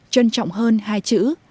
trân trọng hơn hai chữ